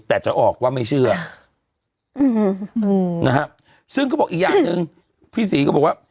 แต่จะออกว่าไม่เชื่ออืมนะฮะซึ่งเขาบอกอีกอย่างหนึ่งพี่ศรีก็บอกว่า